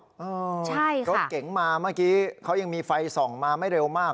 ใช่ค่ะรถเก๋งมาเมื่อกี้เขายังมีไฟส่องมาไม่เร็วมาก